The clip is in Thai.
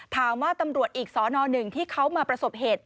ถามว่าตำรวจอีกสอนอนึงที่เขามาประสบเหตุ